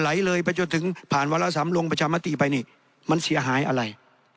ไหลเลยไปจนถึงผ่านวาระสำลงประชามติไปนี่มันเสียหายอะไร